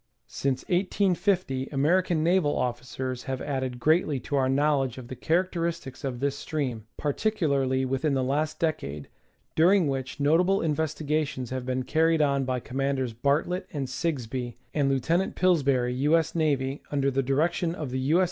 Since 1 850 American naval oflicers have added greatly to our knowledge of the characteristics of this stream, particularly within the last decade, during which notable investigations have been carried on by Commanders Bartlett and Sigsbee and Lieut. Pillsbury, U. S. N., under the direction of the U. S.